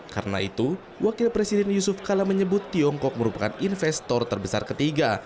karena itu wakil presiden yusuf kala menyebut tiongkok merupakan investor terbesar ketiga